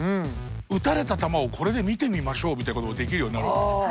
打たれた球をこれで見てみましょうみたいなこともできるようになるわけでしょ。